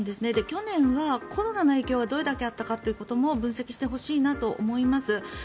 去年はコロナの影響がどれだけあったかということも分析してほしいなと思います。